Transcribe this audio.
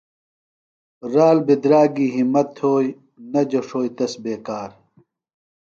رال بِدراگی ہِمت تھوئی، نہ جو ݜوئی تس بےکار